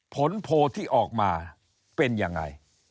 ผลโพลที่ออกมาเป็นยังไง